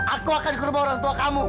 aku akan dikurubah orang tua kamu